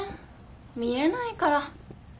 見えないから。